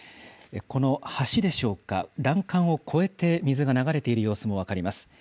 この橋でしょうか、欄干を越えて水が流れている様子も分かります。